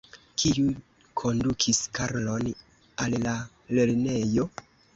Kiu kondukis Karlon al la lernejo?